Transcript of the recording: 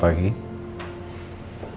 pagi speak nyata